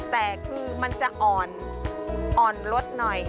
แต่คือมันจะอ่อนอ่อนลดหน่อย